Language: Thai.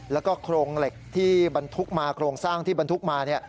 แล้วก็โครงเหล็กที่บรรทุกมาโครงสร้างที่บรรทุกมา